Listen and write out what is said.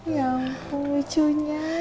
ya ampun lucunya